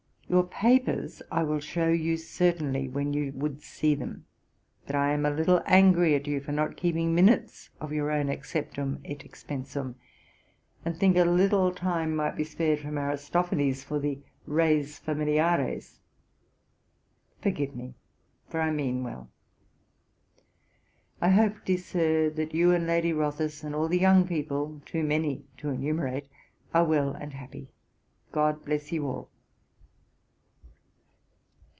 Your papers I will shew you certainly when you would see them, but I am a little angry at you for not keeping minutes of your own acceptum et expensum, and think a little time might be spared from Aristophanes, for the res familiares. Forgive me for I mean well. I hope, dear Sir, that you and Lady Rothes, and all the young people, too many to enumerate, are well and happy. GOD bless you all.'